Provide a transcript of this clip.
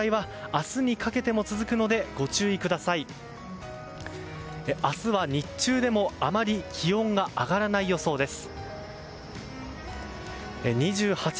明日は日中でもあまり気温が上がらない予想です。